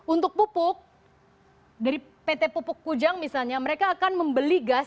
untuk pupuk dari pt pupuk kujang misalnya mereka akan membeli gas